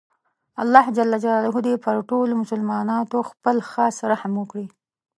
الله ﷻ دې پر ټولو مسلماناتو خپل خاص رحم وکړي